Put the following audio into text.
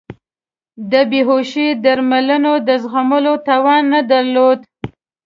د بیهوشۍ د درملو د زغملو توان نه درلود.